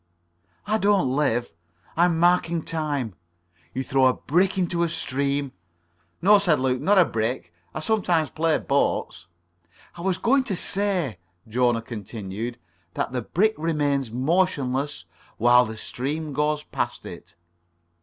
"I don't live. I'm marking time. You throw a brick into the stream——" "No," said Luke, "not a brick. I sometimes play boats." "I was going to say," Jona continued, "that the brick remains motionless while the stream goes past it."